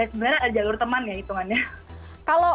sebenarnya jalur teman ya hitungannya